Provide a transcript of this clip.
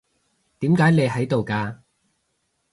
點解你喺度嘅？